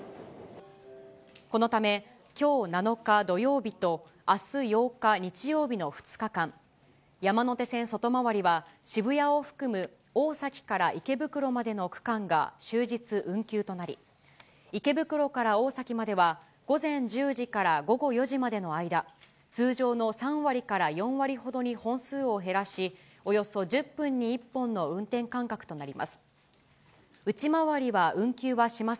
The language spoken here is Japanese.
このため、きょう７日土曜日と、あす８日日曜日の２日間、山手線外回りは、渋谷を含む、大崎から池袋までの区間が終日運休となり、池袋から大崎までは、午前１０時から午後４時までの間、通常の３割から４割ほどに本数を減らし、およそ１０分に１本の運転間隔となります。